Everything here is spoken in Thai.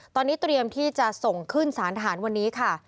ตอนนี้เตรียมที่จะส่งขึ้นสารทหารวันนี้ค่ะ